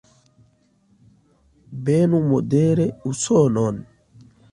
Benu modere Usonon!